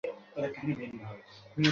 এই নাও তোমার জন্য।